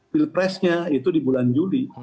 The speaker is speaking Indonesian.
pilpresnya itu di bulan juli